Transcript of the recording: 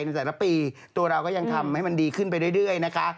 ในแต่ละปีตัวเราก็ยังทำให้มันดีขึ้นไปเรื่อยนะคะ